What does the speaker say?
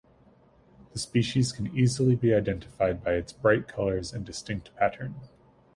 The species can easily be identified by its bright colors and distinct pattern.